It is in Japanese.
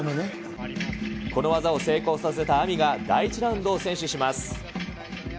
この技を成功させたＡＭＩが、第１ラウンドを先取します。